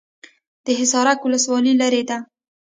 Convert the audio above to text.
د حصارک ولسوالۍ لیرې ده